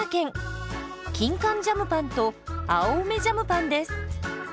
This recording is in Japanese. キンカンジャムパンと青梅ジャムパンです。